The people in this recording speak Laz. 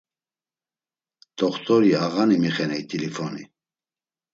T̆oxt̆ori ağani mixeney t̆ilifoni.